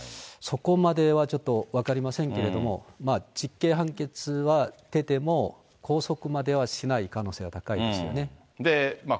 そこまではちょっと分かりませんけれども、実刑判決は出ても、拘束まではしない可能性は高いですよね。